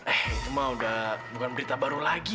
eh cuma udah bukan berita baru lagi